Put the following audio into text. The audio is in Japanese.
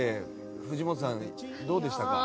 藤本さん、どうでしたか。